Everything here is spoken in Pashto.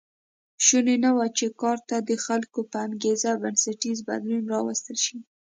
شونې نه وه چې کار ته د خلکو په انګېزه بنسټیز بدلون راوستل شي